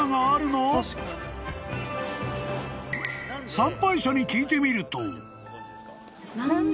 ［参拝者に聞いてみると］